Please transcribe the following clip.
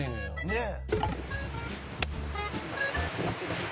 ねえ。